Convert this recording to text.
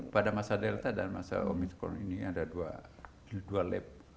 pada masa delta dan masa omikron ini ada dua lab